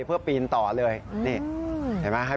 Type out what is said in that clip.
เพื่อปีนต่อเลยนี่เห็นไหมครับ